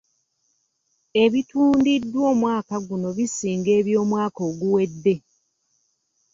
Ebitundiddwa omwaka guno bisinga eby'omwaka oguwedde.